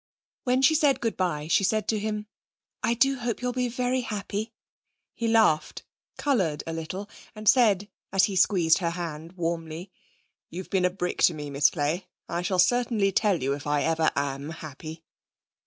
When she said good bye she said to him: 'I do hope you'll be very happy.' He laughed, coloured a little, and said as he squeezed her hand warmly: 'You've been a brick to me, Miss Clay. I shall certainly tell you if I ever am happy.'